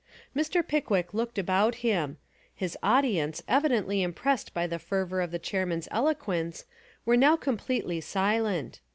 Mr. Pickwick looked about him. His audi 202 Fiction and Reality ence evidently impressed by the fervour of the chairman's eloquence were now completely si lent.